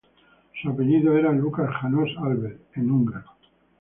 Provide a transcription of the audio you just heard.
Su apellido era "Lukács János Albert" en idioma húngaro.